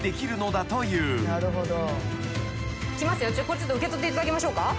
これ受け取っていただきましょうか？